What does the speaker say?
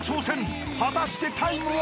［果たしてタイムは？］